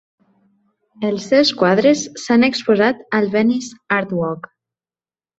Els seus quadres s'han exposat al Venice Art Walk.